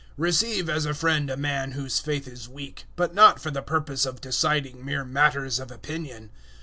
Receive as a friend a man whose faith is weak, but not for the purpose of deciding mere matters of opinion.